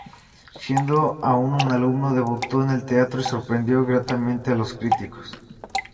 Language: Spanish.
Siendo aún un alumno, debutó en el teatro, y sorprendió gratamente a los críticos.